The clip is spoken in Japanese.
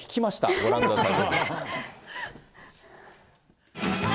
ご覧ください。